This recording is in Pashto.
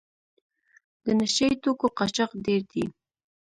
د نشه یي توکو قاچاق ډېر دی.